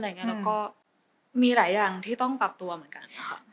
แล้วก็มีหลายอย่างที่ต้องปรับตัวเหมือนกันค่ะ